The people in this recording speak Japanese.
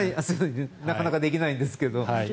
なかなかできないんですけど。